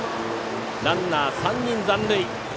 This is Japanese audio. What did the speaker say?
ランナー、３人残塁。